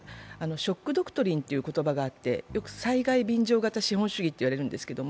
「ショック・ドクトリン」という言葉があって災害便乗型資本主義というんです毛